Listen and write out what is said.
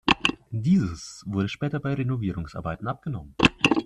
Dieses wurde später bei Renovierungsarbeiten abgenommen.